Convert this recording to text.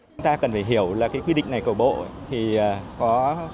chúng ta cần phải hiểu là cái quy định này của bộ thì có